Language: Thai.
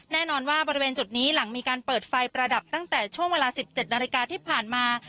แน่นอนว่าบริเวณจุดนี้หลังมีการเปิดไฟประดับตั้งแต่ช่วงเวลา๑๗นาฬิกาที่ผ่านมา